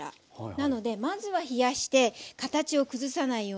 なのでまずは冷やして形を崩さないようにもうクリアな。